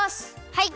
はい！